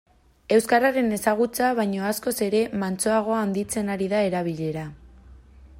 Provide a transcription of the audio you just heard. Euskararen ezagutza baino askoz ere mantsoago handitzen ari da erabilera.